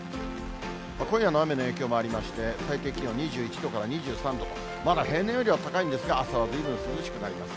今夜の雨の影響もありまして、最低気温２１度から２３度と、まだ平年よりは高いんですが、朝はずいぶん涼しくなります。